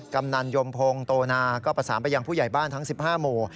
กำนันยมพงศ์โตนาก็ประสานไปยังผู้ใหญ่บ้านทั้ง๑๕หมู่